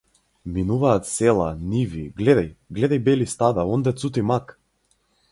Минуваат села, ниви, гледај, гледај бели стада, онде цути мак!